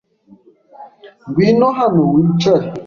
Ngwino hano wicare.